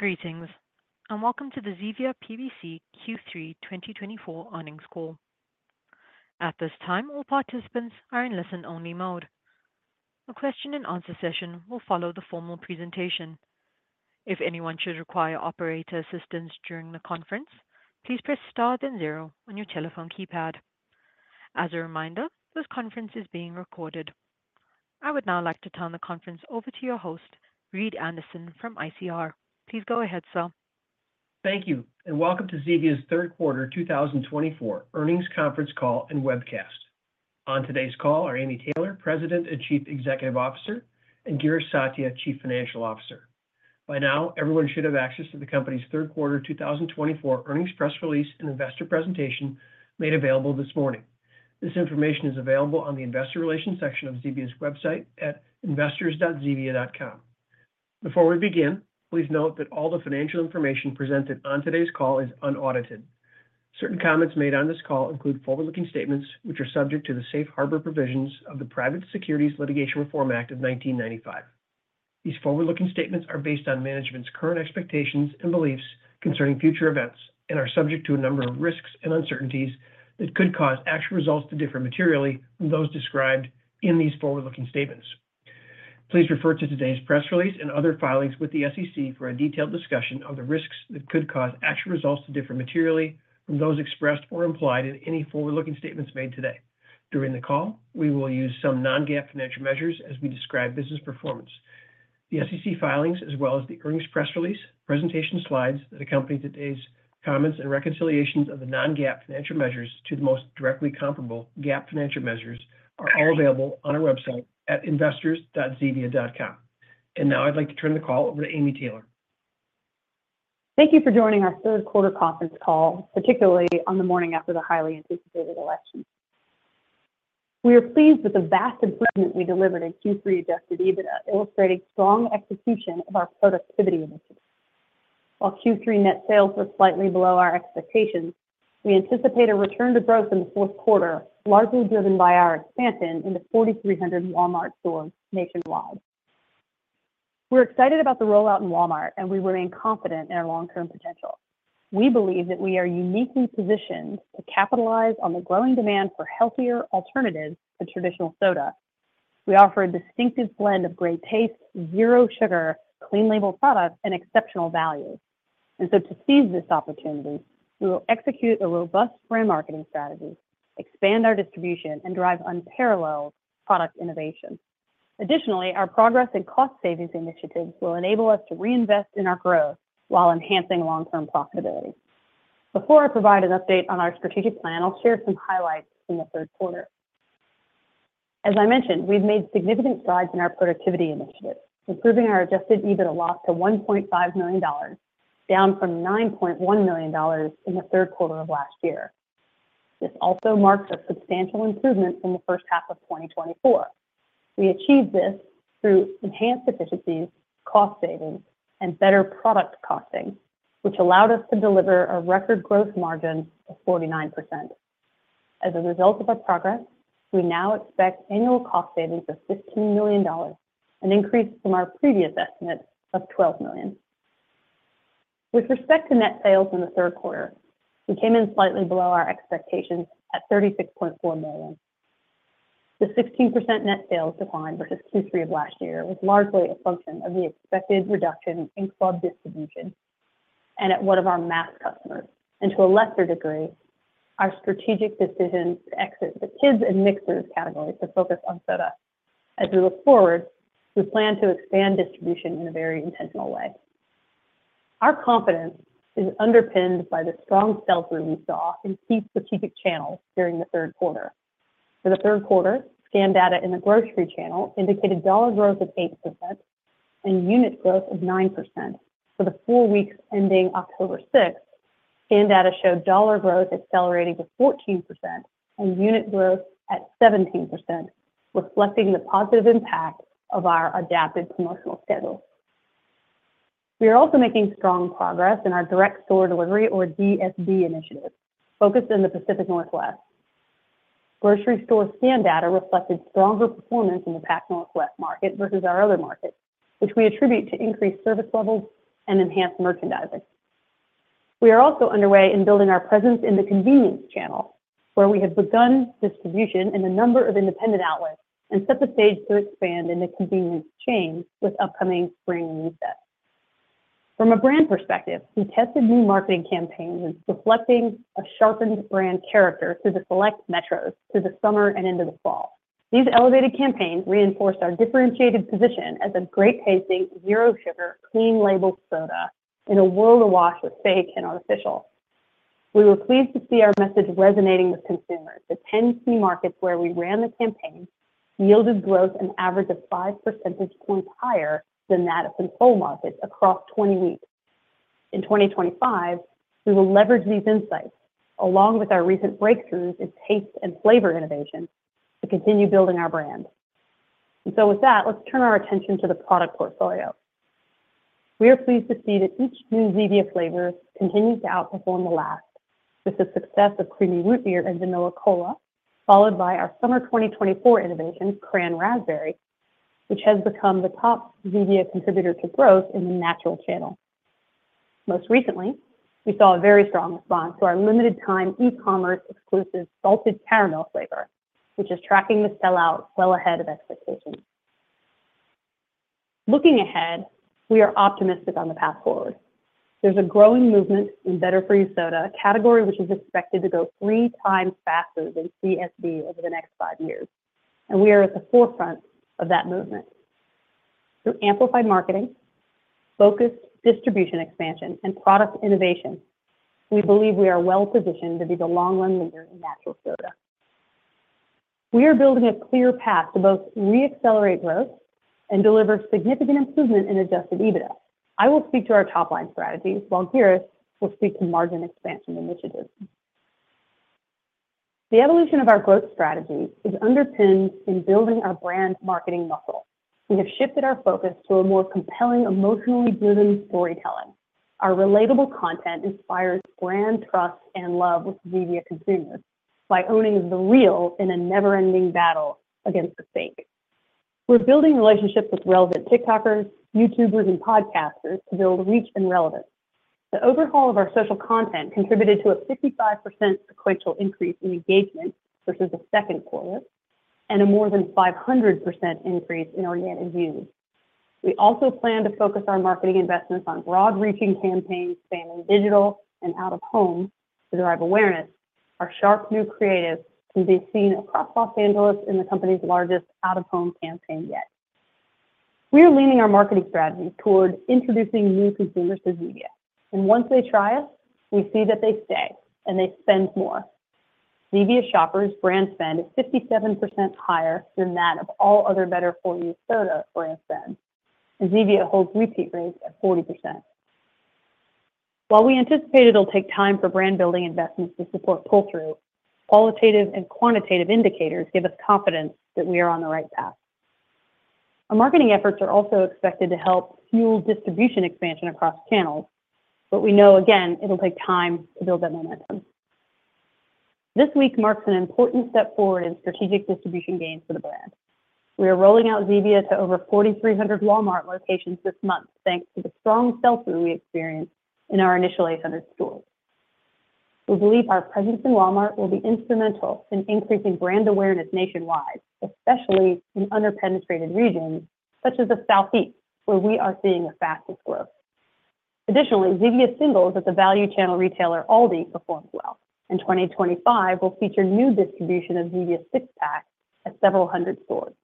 Greetings, and welcome to the Zevia PBC Q3 2024 earnings call. At this time, all participants are in listen-only mode. The question-and-answer session will follow the formal presentation. If anyone should require operator assistance during the conference, please press star then zero on your telephone keypad. As a reminder, this conference is being recorded. I would now like to turn the conference over to your host, Reed Anderson from ICR. Please go ahead, sir. Thank you, and welcome to Zevia's third quarter 2024 earnings conference call and webcast. On today's call are Amy Taylor, President and Chief Executive Officer, and Girish Satya, Chief Financial Officer. By now, everyone should have access to the company's third quarter 2024 earnings press release and investor presentation made available this morning. This information is available on the investor relations section of Zevia's website at investors.zevia.com. Before we begin, please note that all the financial information presented on today's call is unaudited. Certain comments made on this call include forward-looking statements which are subject to the safe harbor provisions of the Private Securities Litigation Reform Act of 1995. These forward-looking statements are based on management's current expectations and beliefs concerning future events and are subject to a number of risks and uncertainties that could cause actual results to differ materially from those described in these forward-looking statements. Please refer to today's press release and other filings with the SEC for a detailed discussion of the risks that could cause actual results to differ materially from those expressed or implied in any forward-looking statements made today. During the call, we will use some Non-GAAP financial measures as we describe business performance. The SEC filings, as well as the earnings press release presentation slides that accompany today's comments and reconciliations of the Non-GAAP financial measures to the most directly comparable GAAP financial measures, are all available on our website at investors.zevia.com, and now I'd like to turn the call over to Amy Taylor. Thank you for joining our third quarter conference call, particularly on the morning after the highly anticipated election. We are pleased with the vast improvement we delivered in Q3 adjusted EBITDA, illustrating strong execution of our productivity initiative. While Q3 net sales were slightly below our expectations, we anticipate a return to growth in the fourth quarter, largely driven by our expansion into 4,300 Walmart stores nationwide. We're excited about the rollout in Walmart, and we remain confident in our long-term potential. We believe that we are uniquely positioned to capitalize on the growing demand for healthier alternatives to traditional soda. We offer a distinctive blend of great taste, zero sugar, clean-label products, and exceptional value. And so, to seize this opportunity, we will execute a robust brand marketing strategy, expand our distribution, and drive unparalleled product innovation. Additionally, our progress and cost savings initiatives will enable us to reinvest in our growth while enhancing long-term profitability. Before I provide an update on our strategic plan, I'll share some highlights from the third quarter. As I mentioned, we've made significant strides in our productivity initiative, improving our adjusted EBITDA loss to $1.5 million, down from $9.1 million in the third quarter of last year. This also marks a substantial improvement from the first half of 2024. We achieved this through enhanced efficiencies, cost savings, and better product costing, which allowed us to deliver a record gross margin of 49%. As a result of our progress, we now expect annual cost savings of $15 million, an increase from our previous estimate of $12 million. With respect to net sales in the third quarter, we came in slightly below our expectations at $36.4 million. The 16% net sales decline versus Q3 of last year was largely a function of the expected reduction in club distribution and at one of our mass customers, and to a lesser degree, our strategic decision to exit the kids and mixers categories to focus on soda. As we look forward, we plan to expand distribution in a very intentional way. Our confidence is underpinned by the strong sales that we saw in key strategic channels during the third quarter. For the third quarter, scan data in the grocery channel indicated dollar growth of 8% and unit growth of 9%. For the four weeks ending October 6, scan data showed dollar growth accelerating to 14% and unit growth at 17%, reflecting the positive impact of our adapted promotional schedule. We are also making strong progress in our direct store delivery, or DSD, initiative focused in the Pacific Northwest. Grocery store scan data reflected stronger performance in the Pacific Northwest market versus our other markets, which we attribute to increased service levels and enhanced merchandising. We are also underway in building our presence in the convenience channel, where we have begun distribution in a number of independent outlets and set the stage to expand in the convenience channel with upcoming spring reset. From a brand perspective, we tested new marketing campaigns reflecting a sharpened brand character through select metros into the summer and into the fall. These elevated campaigns reinforced our differentiated position as a great-tasting, zero-sugar, clean-label soda in a world awash with fake and artificial. We were pleased to see our message resonating with consumers in 10 key markets where we ran the campaign, which yielded growth an average of 5 percentage points higher than that of control markets across 20 weeks. In 2025, we will leverage these insights along with our recent breakthroughs in taste and flavor innovation to continue building our brand. And so, with that, let's turn our attention to the product portfolio. We are pleased to see that each new Zevia flavor continues to outperform the last, with the success of Creamy Root Beer and Vanilla Cola, followed by our summer 2024 innovation, Cran-Raspberry, which has become the top Zevia contributor to growth in the natural channel. Most recently, we saw a very strong response to our limited-time e-commerce exclusive Salted Caramel flavor, which is tracking the sellout well ahead of expectations. Looking ahead, we are optimistic on the path forward. There's a growing movement in better-for-you soda, a category which is expected to go three times faster than CSD over the next five years, and we are at the forefront of that movement. Through amplified marketing, focused distribution expansion, and product innovation, we believe we are well-positioned to be the long-run leader in natural soda. We are building a clear path to both re-accelerate growth and deliver significant improvement in adjusted EBITDA. I will speak to our top-line strategies, while Girish will speak to margin expansion initiatives. The evolution of our growth strategy is underpinned in building our brand marketing muscle. We have shifted our focus to a more compelling, emotionally driven storytelling. Our relatable content inspires brand trust and love with Zevia consumers by owning the real in a never-ending battle against the fake. We're building relationships with relevant TikTokers, YouTubers, and podcasters to build reach and relevance. The overhaul of our social content contributed to a 55% sequential increase in engagement versus the second quarter and a more than 500% increase in organic views. We also plan to focus our marketing investments on broad-reaching campaigns spanning digital and out-of-home to drive awareness. Our sharp new creative can be seen across Los Angeles in the company's largest out-of-home campaign yet. We are leaning our marketing strategy toward introducing new consumers to Zevia, and once they try us, we see that they stay and they spend more. Zevia shoppers' brand spend is 57% higher than that of all other better-for-you soda brands spend, and Zevia holds repeat rates at 40%. While we anticipate it'll take time for brand-building investments to support pull-through, qualitative and quantitative indicators give us confidence that we are on the right path. Our marketing efforts are also expected to help fuel distribution expansion across channels, but we know, again, it'll take time to build that momentum. This week marks an important step forward in strategic distribution gains for the brand. We are rolling out Zevia to over 4,300 Walmart locations this month, thanks to the strong sell-through we experienced in our initial 800 stores. We believe our presence in Walmart will be instrumental in increasing brand awareness nationwide, especially in under-penetrated regions such as the Southeast, where we are seeing the fastest growth. Additionally, Zevia singles at the value channel retailer Aldi performed well, and 2025 will feature new distribution of Zevia six packs at several hundred stores.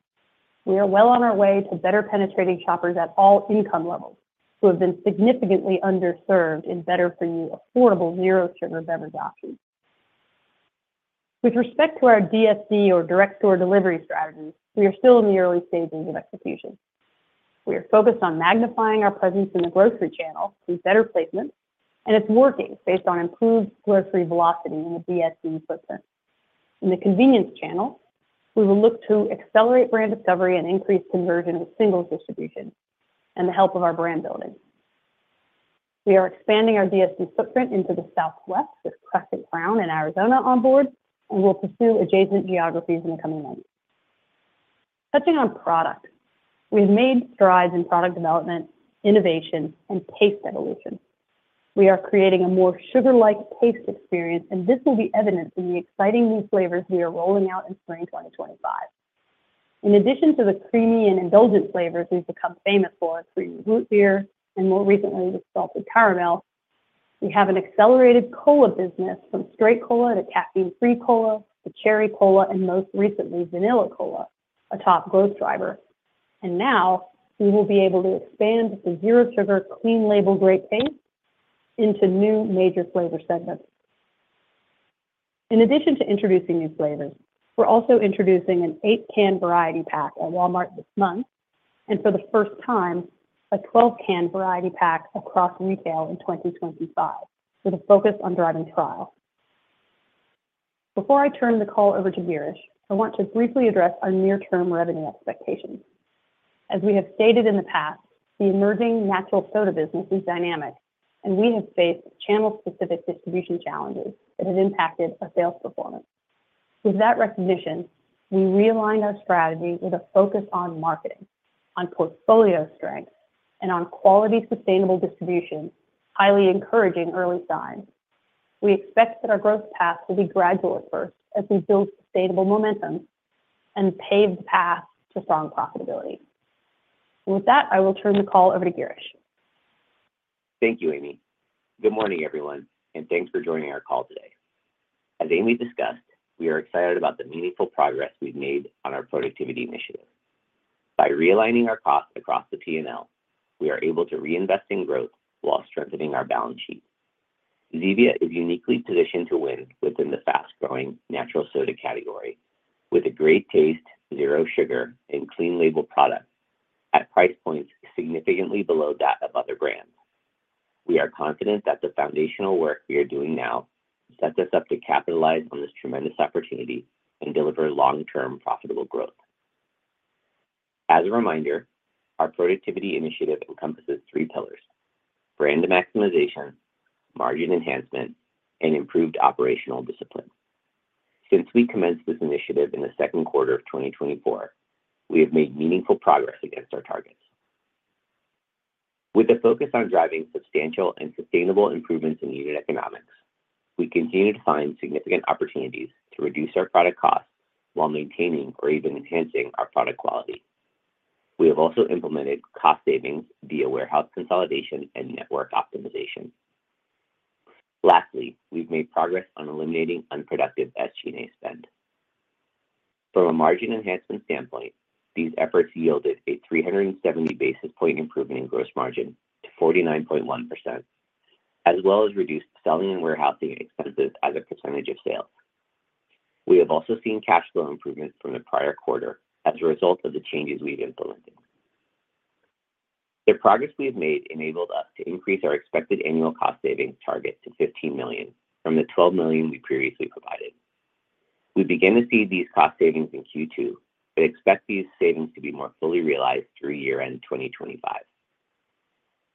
We are well on our way to better-penetrating shoppers at all income levels who have been significantly underserved in better-for-you, affordable, zero-sugar beverage options. With respect to our DSD, or direct store delivery strategy, we are still in the early stages of execution. We are focused on magnifying our presence in the grocery channel through better placement, and it's working based on improved grocery velocity in the DSD footprint. In the convenience channel, we will look to accelerate brand discovery and increase conversion with single distribution and the help of our brand building. We are expanding our DSD footprint into the Southwest with Crescent Crown in Arizona on board, and we'll pursue adjacent geographies in the coming months. Touching on product, we have made strides in product development, innovation, and taste evolution. We are creating a more sugar-like taste experience, and this will be evident in the exciting new flavors we are rolling out in spring 2025. In addition to the creamy and indulgent flavors we've become famous for, Creamy Root Beer, and more recently the Salted Caramel, we have an accelerated cola business from straight cola to Caffeine Free Cola to Cherry Cola, and most recently Vanilla Cola, a top growth driver. And now we will be able to expand the zero-sugar, clean-label great taste into new major flavor segments. In addition to introducing new flavors, we're also introducing an eight-can variety pack at Walmart this month, and for the first time, a 12-can variety pack across retail in 2025 with a focus on driving trial. Before I turn the call over to Girish, I want to briefly address our near-term revenue expectations. As we have stated in the past, the emerging natural soda business is dynamic, and we have faced channel-specific distribution challenges that have impacted our sales performance. With that recognition, we realigned our strategy with a focus on marketing, on portfolio strength, and on quality sustainable distribution, highly encouraging early signs. We expect that our growth path will be gradual at first as we build sustainable momentum and pave the path to strong profitability. With that, I will turn the call over to Girish. Thank you, Amy. Good morning, everyone, and thanks for joining our call today. As Amy discussed, we are excited about the meaningful progress we've made on our productivity initiative. By realigning our costs across the P&L, we are able to reinvest in growth while strengthening our balance sheet. Zevia is uniquely positioned to win within the fast-growing natural soda category with a great taste, zero sugar, and clean-label product at price points significantly below that of other brands. We are confident that the foundational work we are doing now sets us up to capitalize on this tremendous opportunity and deliver long-term profitable growth. As a reminder, our productivity initiative encompasses three pillars: brand maximization, margin enhancement, and improved operational discipline. Since we commenced this initiative in the second quarter of 2024, we have made meaningful progress against our targets. With a focus on driving substantial and sustainable improvements in unit economics, we continue to find significant opportunities to reduce our product costs while maintaining or even enhancing our product quality. We have also implemented cost savings via warehouse consolidation and network optimization. Lastly, we've made progress on eliminating unproductive SG&A spend. From a margin enhancement standpoint, these efforts yielded a 370 basis points improvement in gross margin to 49.1%, as well as reduced selling and warehousing expenses as a percentage of sales. We have also seen cash flow improvements from the prior quarter as a result of the changes we've implemented. The progress we've made enabled us to increase our expected annual cost savings target to $15 million from the $12 million we previously provided. We begin to see these cost savings in Q2, but expect these savings to be more fully realized through year-end 2025.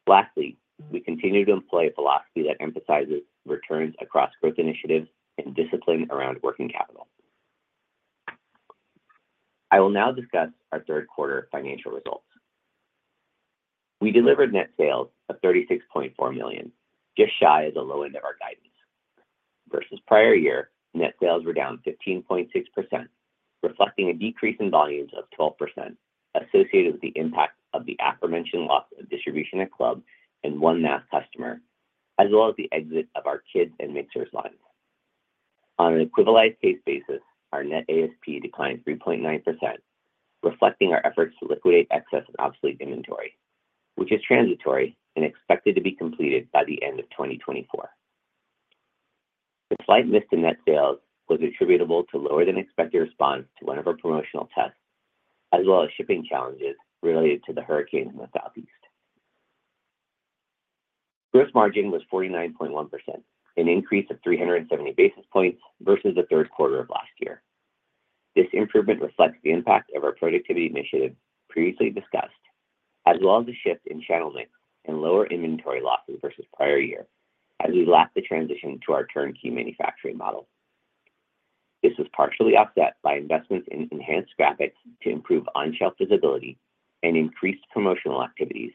Lastly, we continue to employ a philosophy that emphasizes returns across growth initiatives and discipline around working capital. I will now discuss our third quarter financial results. We delivered net sales of $36.4 million, just shy of the low end of our guidance. Versus prior year, net sales were down 15.6%, reflecting a decrease in volumes of 12% associated with the impact of the aforementioned loss of distribution at club and one mass customer, as well as the exit of our kids and mixers lines. On an equivalent case basis, our net ASP declined 3.9%, reflecting our efforts to liquidate excess and obsolete inventory, which is transitory and expected to be completed by the end of 2024. The slight miss to net sales was attributable to lower-than-expected response to one of our promotional tests, as well as shipping challenges related to the hurricane in the Southeast. Gross margin was 49.1%, an increase of 370 basis points versus the third quarter of last year. This improvement reflects the impact of our productivity initiative previously discussed, as well as a shift in channel mix and lower inventory losses versus prior year as we lack the transition to our turnkey manufacturing model. This was partially offset by investments in enhanced graphics to improve on-shelf visibility and increased promotional activities,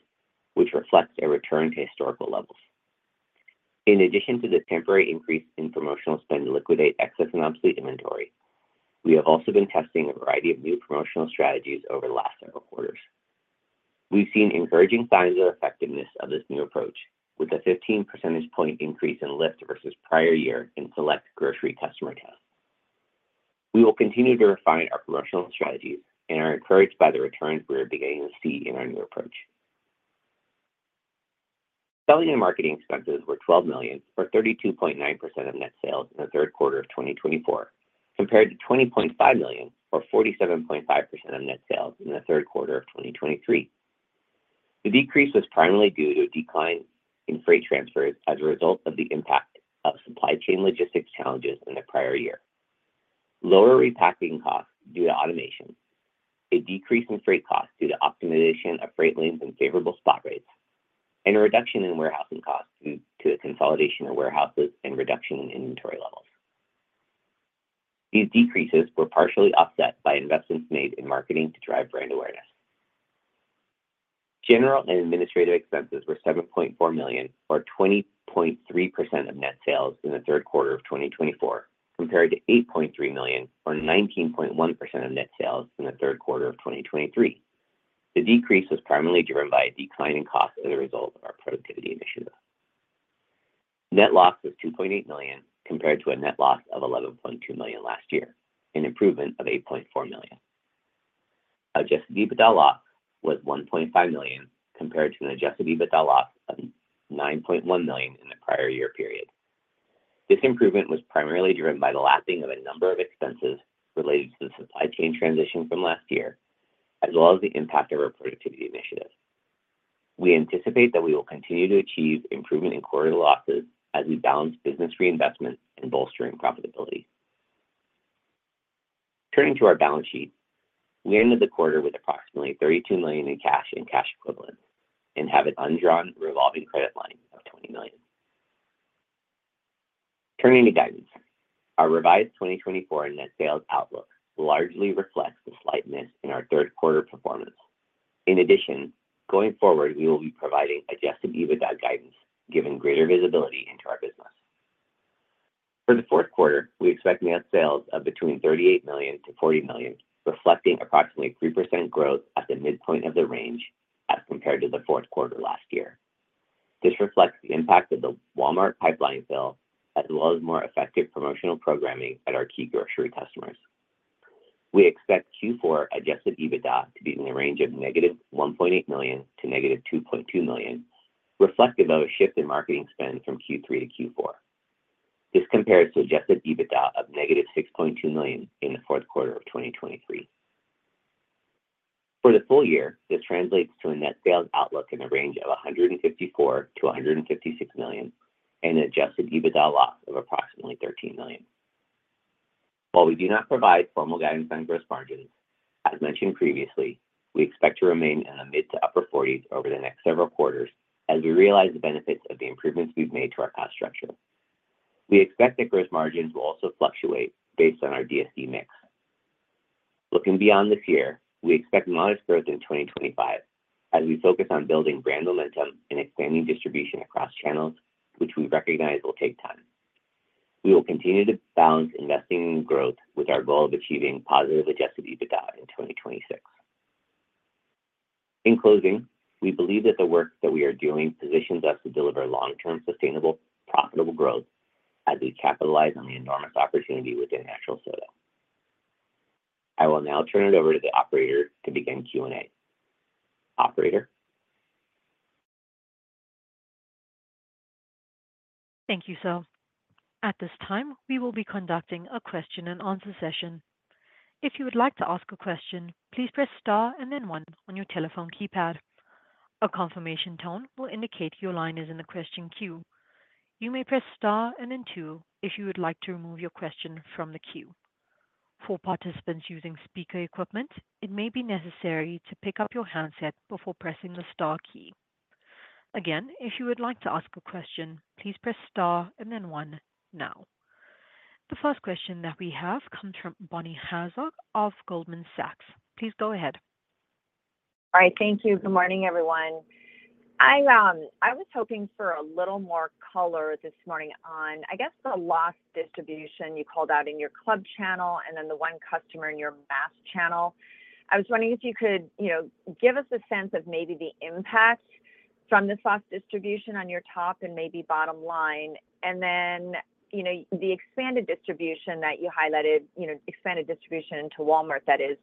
which reflects a return to historical levels. In addition to the temporary increase in promotional spend to liquidate excess and obsolete inventory, we have also been testing a variety of new promotional strategies over the last several quarters. We've seen encouraging signs of effectiveness of this new approach, with a 15 percentage point increase in lift versus prior year in select grocery customer tests. We will continue to refine our promotional strategies and are encouraged by the returns we are beginning to see in our new approach. Selling and marketing expenses were $12 million, or 32.9% of net sales in the third quarter of 2024, compared to $20.5 million, or 47.5% of net sales in the third quarter of 2023. The decrease was primarily due to a decline in freight transfers as a result of the impact of supply chain logistics challenges in the prior year, lower repacking costs due to automation, a decrease in freight costs due to optimization of freight lanes and favorable spot rates, and a reduction in warehousing costs due to a consolidation of warehouses and reduction in inventory levels. These decreases were partially offset by investments made in marketing to drive brand awareness. General and administrative expenses were $7.4 million, or 20.3% of net sales in the third quarter of 2024, compared to $8.3 million, or 19.1% of net sales in the third quarter of 2023. The decrease was primarily driven by a decline in costs as a result of our productivity initiative. Net loss was $2.8 million, compared to a net loss of $11.2 million last year, an improvement of $8.4 million. Adjusted EBITDA loss was $1.5 million, compared to an adjusted EBITDA loss of $9.1 million in the prior year period. This improvement was primarily driven by the lapping of a number of expenses related to the supply chain transition from last year, as well as the impact of our productivity initiative. We anticipate that we will continue to achieve improvement in quarterly losses as we balance business reinvestment and bolstering profitability. Turning to our balance sheet, we ended the quarter with approximately $32 million in cash and cash equivalents and have an undrawn revolving credit line of $20 million. Turning to guidance, our revised 2024 net sales outlook largely reflects the slight miss in our third quarter performance. In addition, going forward, we will be providing adjusted EBITDA guidance, giving greater visibility into our business. For the fourth quarter, we expect net sales of between $38 million-$40 million, reflecting approximately 3% growth at the midpoint of the range as compared to the fourth quarter last year. This reflects the impact of the Walmart pipeline sale, as well as more effective promotional programming at our key grocery customers. We expect Q4 adjusted EBITDA to be in the range of -$1.8 million--$2.2 million, reflective of a shift in marketing spend from Q3-Q4. This compares to adjusted EBITDA of -$6.2 million in the fourth quarter of 2023. For the full year, this translates to a net sales outlook in the range of $154 million-$156 million and an adjusted EBITDA loss of approximately $13 million. While we do not provide formal guidance on gross margins, as mentioned previously, we expect to remain in the mid to upper 40s over the next several quarters as we realize the benefits of the improvements we've made to our cost structure. We expect that gross margins will also fluctuate based on our DSD mix. Looking beyond this year, we expect modest growth in 2025 as we focus on building brand momentum and expanding distribution across channels, which we recognize will take time. We will continue to balance investing in growth with our goal of achieving positive adjusted EBITDA in 2026. In closing, we believe that the work that we are doing positions us to deliver long-term sustainable, profitable growth as we capitalize on the enormous opportunity within natural soda. I will now turn it over to the operator to begin Q&A. Operator. Thank you, sir. At this time, we will be conducting a question-and-answer session. If you would like to ask a question, please press star and then one on your telephone keypad. A confirmation tone will indicate your line is in the question queue. You may press star and then two if you would like to remove your question from the queue. For participants using speaker equipment, it may be necessary to pick up your handset before pressing the star key. Again, if you would like to ask a question, please press star and then one now. The first question that we have comes from Bonnie Herzog of Goldman Sachs. Please go ahead. All right, thank you. Good morning, everyone. I was hoping for a little more color this morning on, I guess, the loss distribution you called out in your club channel and then the one customer in your mass channel. I was wondering if you could give us a sense of maybe the impact from this loss distribution on your top and maybe bottom line, and then the expanded distribution that you highlighted, expanded distribution into Walmart that is.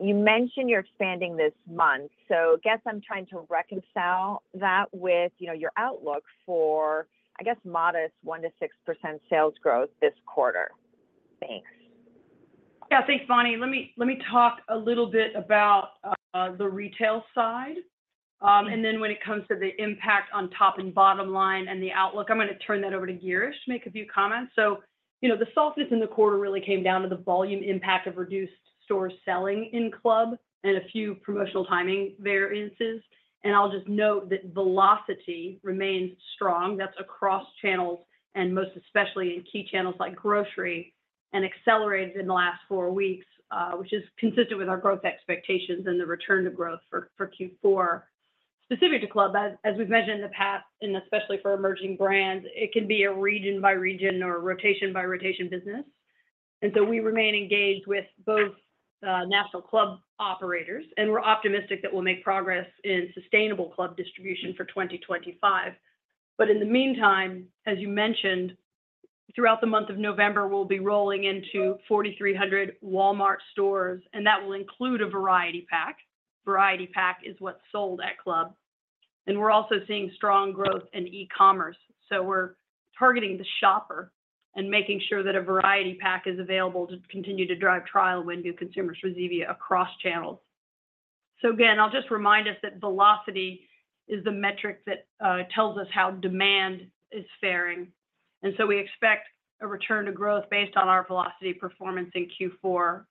You mentioned you're expanding this month. So I guess I'm trying to reconcile that with your outlook for, I guess, modest 1%-6% sales growth this quarter. Thanks. Yeah, thanks, Bonnie. Let me talk a little bit about the retail side. And then when it comes to the impact on top and bottom line and the outlook, I'm going to turn that over to Girish to make a few comments. So the softness in the quarter really came down to the volume impact of reduced store selling in club and a few promotional timing variances. And I'll just note that velocity remains strong. That's across channels, and most especially in key channels like grocery, and accelerated in the last four weeks, which is consistent with our growth expectations and the return to growth for Q4. Specific to club, as we've mentioned in the past, and especially for emerging brands, it can be a region-by-region or rotation-by-rotation business. And so we remain engaged with both national club operators, and we're optimistic that we'll make progress in sustainable club distribution for 2025. But in the meantime, as you mentioned, throughout the month of November, we'll be rolling into 4,300 Walmart stores, and that will include a variety pack. Variety pack is what's sold at club. And we're also seeing strong growth in e-commerce. So we're targeting the shopper and making sure that a variety pack is available to continue to drive trial window consumers for Zevia across channels. So again, I'll just remind us that velocity is the metric that tells us how demand is faring. And so we expect a return to growth based on our velocity performance in Q4.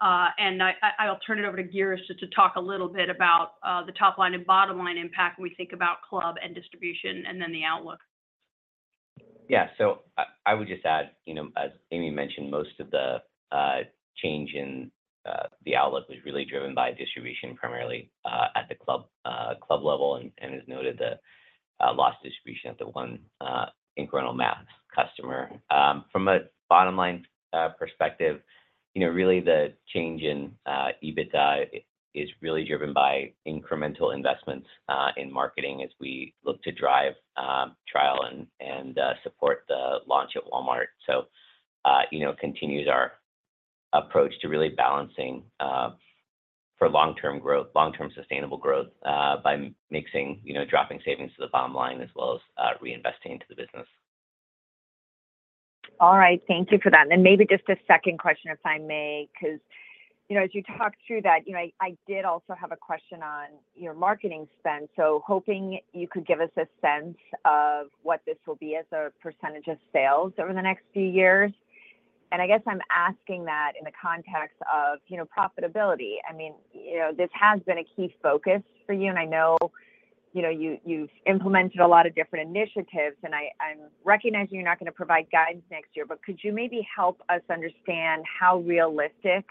I'll turn it over to Girish to talk a little bit about the top line and bottom line impact when we think about club and distribution and then the outlook. Yeah, so I would just add, as Amy mentioned, most of the change in the outlook was really driven by distribution primarily at the club level, and as noted, the lost distribution at the one incremental mass customer. From a bottom line perspective, really the change in EBITDA is really driven by incremental investments in marketing as we look to drive trial and support the launch of Walmart. So it continues our approach to really balancing for long-term growth, long-term sustainable growth by mixing, dropping savings to the bottom line, as well as reinvesting into the business. All right, thank you for that. And maybe just a second question, if I may, because as you talked through that, I did also have a question on your marketing spend. So hoping you could give us a sense of what this will be as a percentage of sales over the next few years. And I guess I'm asking that in the context of profitability. I mean, this has been a key focus for you, and I know you've implemented a lot of different initiatives, and I'm recognizing you're not going to provide guidance next year, but could you maybe help us understand how realistic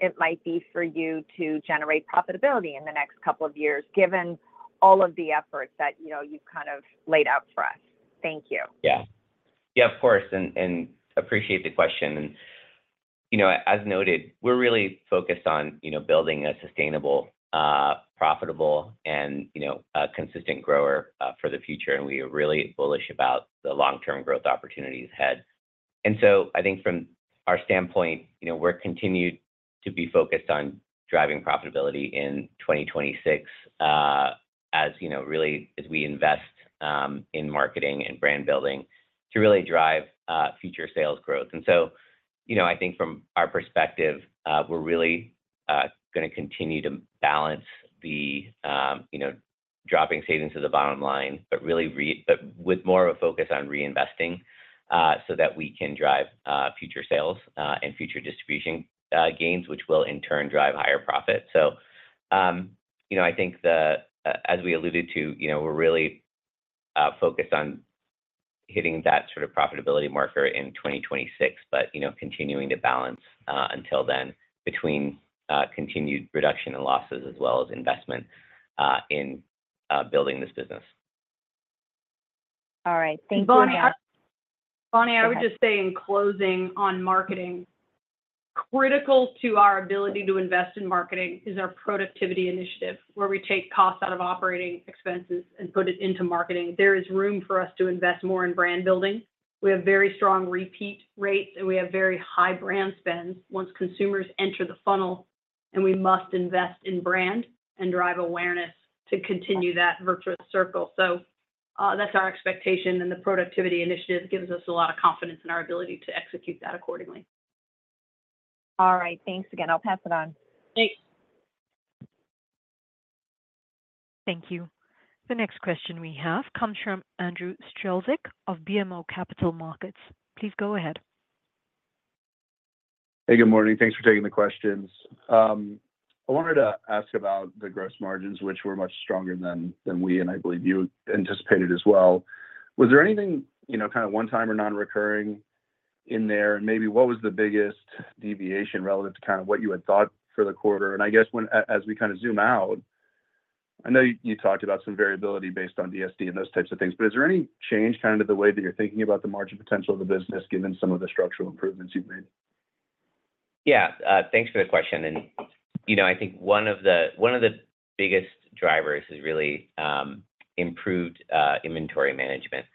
it might be for you to generate profitability in the next couple of years, given all of the efforts that you've kind of laid out for us? Thank you. Yeah. Yeah, of course. I appreciate the question. As noted, we're really focused on building a sustainable, profitable, and consistent growth for the future, and we are really bullish about the long-term growth opportunities ahead. So I think from our standpoint, we continue to be focused on driving profitability in 2026 even as we invest in marketing and brand building to really drive future sales growth. So I think from our perspective, we're really going to continue to balance the operating savings to the bottom line, but really with more of a focus on reinvesting so that we can drive future sales and future distribution gains, which will in turn drive higher profit. So I think as we alluded to, we're really focused on hitting that sort of profitability marker in 2026, but continuing to balance until then between continued reduction in losses as well as investment in building this business. All right, thank you. Bonnie. Bonnie, I would just say in closing on marketing, critical to our ability to invest in marketing is our productivity initiative, where we take costs out of operating expenses and put it into marketing. There is room for us to invest more in brand building. We have very strong repeat rates, and we have very high brand spends once consumers enter the funnel, and we must invest in brand and drive awareness to continue that virtuous circle. So that's our expectation, and the productivity initiative gives us a lot of confidence in our ability to execute that accordingly. All right, thanks again. I'll pass it on. Thanks. Thank you. The next question we have comes from Andrew Strelzik of BMO Capital Markets. Please go ahead. Hey, good morning. Thanks for taking the questions. I wanted to ask about the gross margins, which were much stronger than we, and I believe you anticipated as well. Was there anything kind of one-time or non-recurring in there? And maybe what was the biggest deviation relative to kind of what you had thought for the quarter? And I guess as we kind of zoom out, I know you talked about some variability based on DSD and those types of things, but is there any change kind of to the way that you're thinking about the margin potential of the business given some of the structural improvements you've made? Yeah, thanks for the question, and I think one of the biggest drivers is really improved inventory management,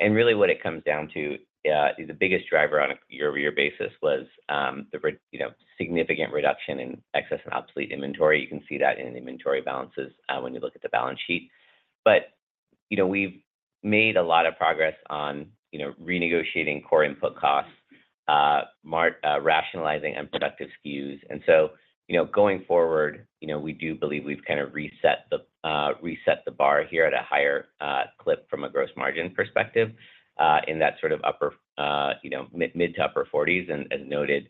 and really what it comes down to, the biggest driver on a year-over-year basis was the significant reduction in excess and obsolete inventory. You can see that in inventory balances when you look at the balance sheet, but we've made a lot of progress on renegotiating core input costs, rationalizing unproductive SKUs, and so going forward, we do believe we've kind of reset the bar here at a higher clip from a gross margin perspective in that sort of upper-mid to upper-40s, and as noted,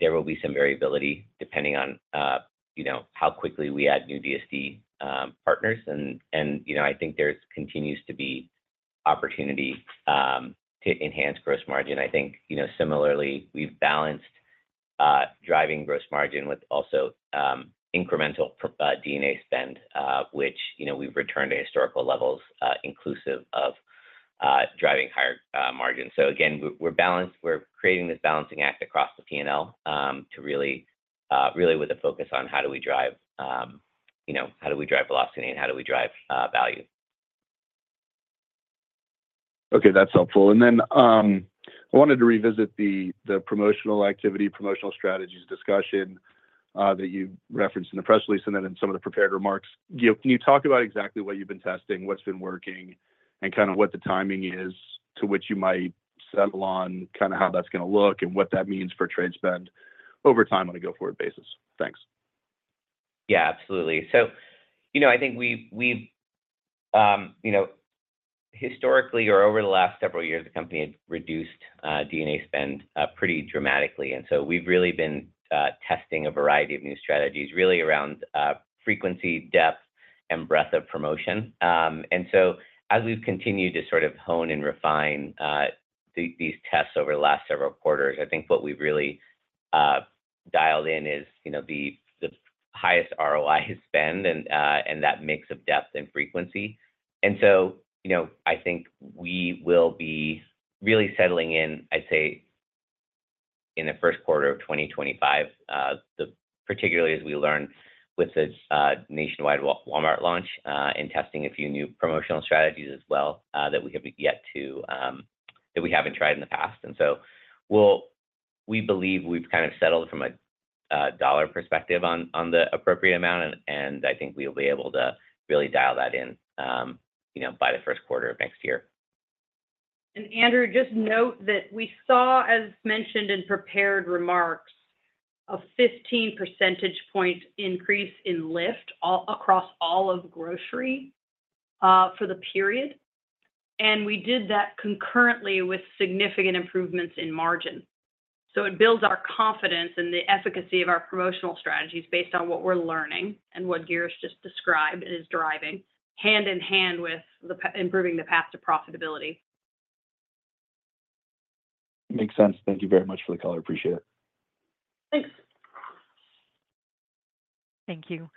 there will be some variability depending on how quickly we add new DSD partners, and I think there continues to be opportunity to enhance gross margin. I think similarly, we've balanced driving gross margin with also incremental ad spend, which we've returned to historical levels inclusive of driving higher margins. So again, we're creating this balancing act across the P&L to really, with a focus on, how do we drive velocity and how do we drive value. Okay, that's helpful. And then I wanted to revisit the promotional activity, promotional strategies discussion that you referenced in the press release and then in some of the prepared remarks. Can you talk about exactly what you've been testing, what's been working, and kind of what the timing is to which you might settle on kind of how that's going to look and what that means for trade spend over time on a go forward basis? Thanks. Yeah, absolutely. So I think we've historically or over the last several years, the company had reduced ad spend pretty dramatically. And so we've really been testing a variety of new strategies really around frequency, depth, and breadth of promotion. And so as we've continued to sort of hone and refine these tests over the last several quarters, I think what we've really dialed in is the highest ROI spend and that mix of depth and frequency. And so I think we will be really settling in, I'd say, in the first quarter of 2025, particularly as we learn with the nationwide Walmart launch and testing a few new promotional strategies as well that we haven't yet tried in the past. And so we believe we've kind of settled from a dollar perspective on the appropriate amount, and I think we will be able to really dial that in by the first quarter of next year. And Andrew, just note that we saw, as mentioned in prepared remarks, a 15 percentage point increase in lift across all of grocery for the period. And we did that concurrently with significant improvements in margin. So it builds our confidence in the efficacy of our promotional strategies based on what we're learning and what Girish just described and is driving hand in hand with improving the path to profitability. Makes sense. Thank you very much for the color. Appreciate it. Thanks. Thank you.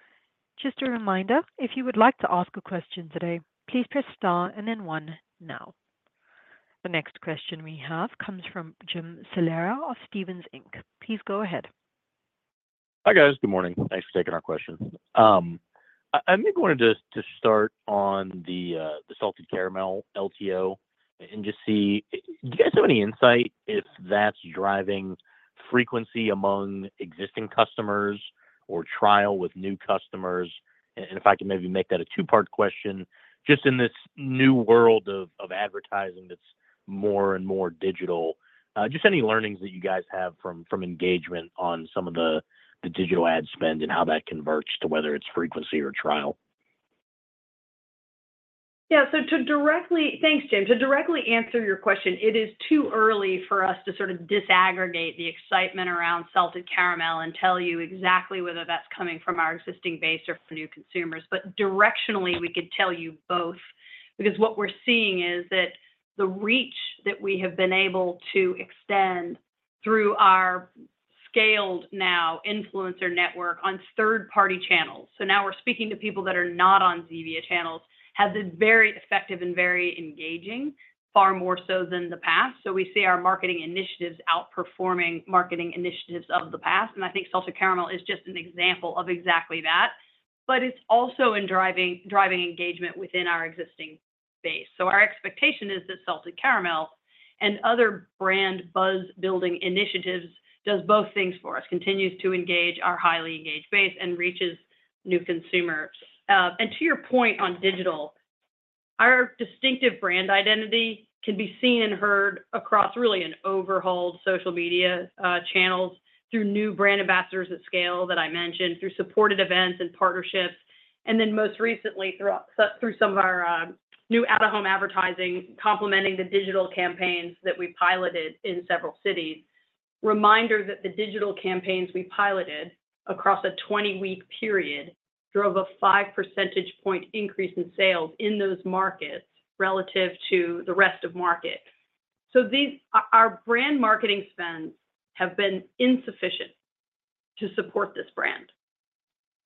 Just a reminder, if you would like to ask a question today, please press star and then one now. The next question we have comes from Jim Salera of Stephens Inc. Please go ahead. Hi guys, good morning. Thanks for taking our questions. I maybe wanted to start on the Salted Caramel LTO and just see, do you guys have any insight if that's driving frequency among existing customers or trial with new customers? And if I can maybe make that a two-part question, just in this new world of advertising that's more and more digital, just any learnings that you guys have from engagement on some of the digital ad spend and how that converts to whether it's frequency or trial? Yeah, so to directly thank you, Jim. To directly answer your question, it is too early for us to sort of disaggregate the excitement around Salted Caramel and tell you exactly whether that's coming from our existing base or from new consumers. But directionally, we could tell you both because what we're seeing is that the reach that we have been able to extend through our scaled now influencer network on third-party channels. So now we're speaking to people that are not on Zevia channels, have been very effective and very engaging, far more so than the past. So we see our marketing initiatives outperforming marketing initiatives of the past. And I think Salted Caramel is just an example of exactly that, but it's also in driving engagement within our existing base. So our expectation is that Salted Caramel and other brand buzz-building initiatives do both things for us, continues to engage our highly engaged base and reaches new consumers. And to your point on digital, our distinctive brand identity can be seen and heard across really an overhauled social media channels through new brand ambassadors at scale that I mentioned, through supported events and partnerships, and then most recently through some of our new out-of-home advertising, complementing the digital campaigns that we've piloted in several cities. Reminder that the digital campaigns we piloted across a 20-week period drove a 5 percentage point increase in sales in those markets relative to the rest of market. So our brand marketing spends have been insufficient to support this brand.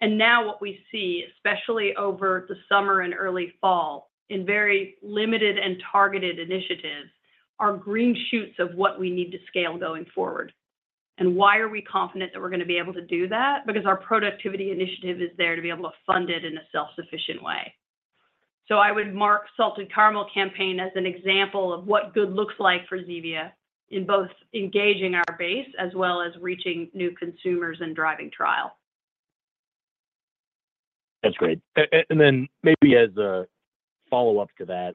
And now what we see, especially over the summer and early fall in very limited and targeted initiatives, are green shoots of what we need to scale going forward. And why are we confident that we're going to be able to do that? Because our productivity initiative is there to be able to fund it in a self-sufficient way. So I would mark Salted Caramel campaign as an example of what good looks like for Zevia in both engaging our base as well as reaching new consumers and driving trial. That's great. And then maybe as a follow-up to that,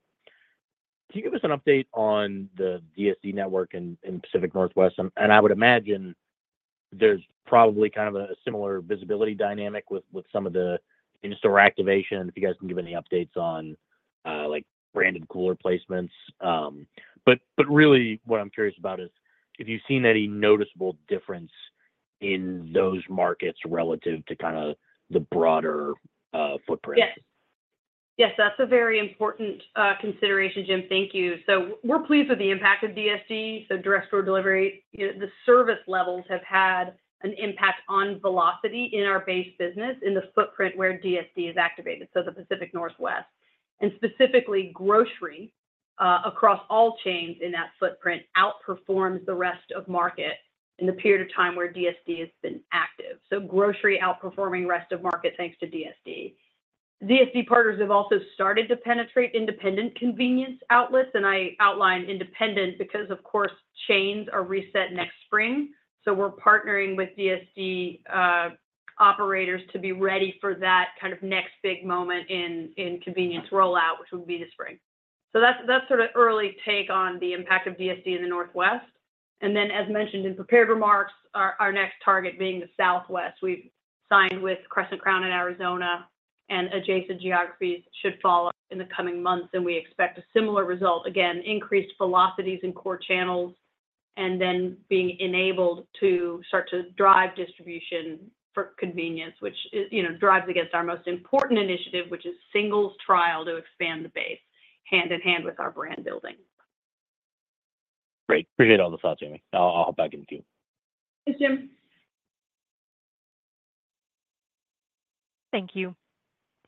can you give us an update on the DSD network in Pacific Northwest? And I would imagine there's probably kind of a similar visibility dynamic with some of the in-store activation. If you guys can give any updates on branded cooler placements? But really what I'm curious about is if you've seen any noticeable difference in those markets relative to kind of the broader footprint. Yes. Yes, that's a very important consideration, Jim. Thank you, so we're pleased with the impact of DSD, so direct store delivery. The service levels have had an impact on velocity in our base business in the footprint where DSD is activated, so the Pacific Northwest, and specifically, grocery across all chains in that footprint outperforms the rest of market in the period of time where DSD has been active, so grocery outperforming rest of market thanks to DSD. DSD partners have also started to penetrate independent convenience outlets, and I outline independent because, of course, chains are reset next spring, so we're partnering with DSD operators to be ready for that kind of next big moment in convenience rollout, which would be this spring, so that's sort of early take on the impact of DSD in the Northwest. And then, as mentioned in prepared remarks, our next target being the Southwest. We have signed with Crescent Crown in Arizona, and adjacent geographies should follow in the coming months. We expect a similar result, again, increased velocities in core channels, and then being enabled to start to drive distribution for convenience, which drives against our most important initiative, which is singles trial to expand the base hand in hand with our brand building. Great. Appreciate all the thoughts, Amy. I'll hop back in with you. Thanks, Jim. Thank you.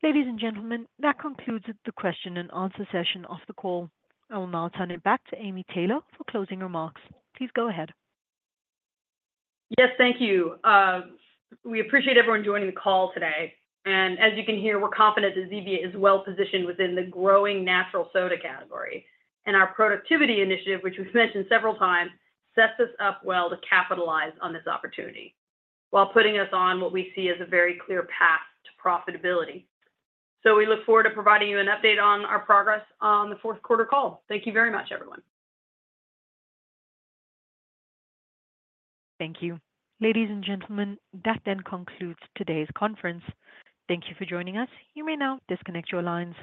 Ladies and gentlemen, that concludes the question and answer session of the call. I will now turn it back to Amy Taylor for closing remarks. Please go ahead. Yes, thank you. We appreciate everyone joining the call today. And as you can hear, we're confident that Zevia is well positioned within the growing natural soda category. And our productivity initiative, which we've mentioned several times, sets us up well to capitalize on this opportunity while putting us on what we see as a very clear path to profitability. So we look forward to providing you an update on our progress on the fourth quarter call. Thank you very much, everyone. Thank you. Ladies and gentlemen, that then concludes today's conference. Thank you for joining us. You may now disconnect your lines.